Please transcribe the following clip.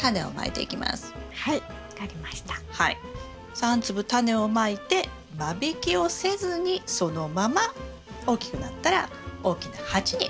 ３粒タネをまいて間引きをせずにそのまま大きくなったら大きな鉢に植えます。